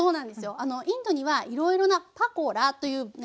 インドにはいろいろな「パコラ」というね